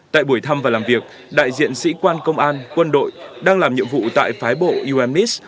tại buổi thăm và làm việc đại diện sĩ quan công an quân đội đang làm nhiệm vụ tại phái bộ unmis